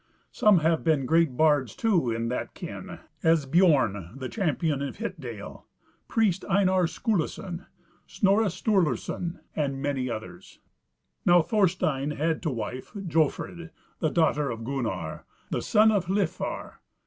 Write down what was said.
Some have been great bards, too, in that kin, as Biorn, the champion of Hit dale, priest Einar Skulison, Snorri Sturluson, and many others. Now, Thorstein had to wife Jofrid, the daughter of Gunnar, the son of Hlifar.